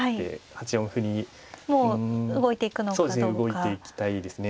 動いていきたいですね。